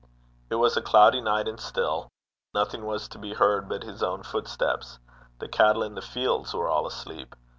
It was a cloudy night and still. Nothing was to be heard but his own footsteps. The cattle in the fields were all asleep.